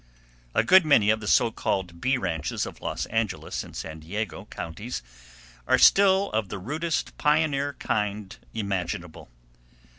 A good many of the so called bee ranches of Los Angeles and San Diego counties are still of the rudest pioneer kind imaginable.